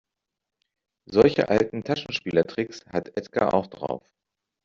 Solche alten Taschenspielertricks hat Edgar auch drauf.